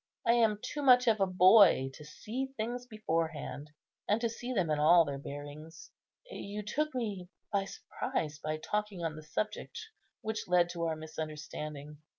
I am too much of a boy to see things beforehand, and to see them in all their bearings. You took me by surprise by talking on the subject which led to our misunderstanding.